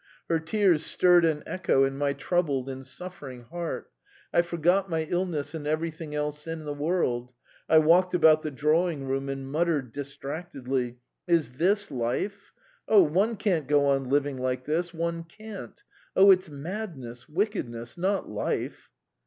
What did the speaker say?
Her tears stirred an echo in my troubled and suffering heart; I forgot my illness and everything else in the world; I walked about the drawing room and muttered distractedly: "Is this life? ... Oh, one can't go on living like this, one can't. ... Oh, it's madness, wickedness, not life."